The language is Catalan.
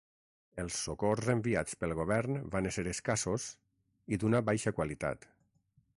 Els socors enviats pel govern van ésser escassos i d'una baixa qualitat.